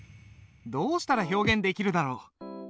どうしたら表現できるだろう。